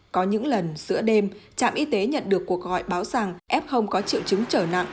có những lần giữa đêm trạm y tế nhận được cuộc gọi báo rằng f có triệu chứng trở nặng